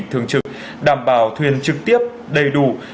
thường trực đảm bảo thuyền trực tiếp đầy đủ